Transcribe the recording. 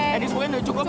edis mungkin udah cukup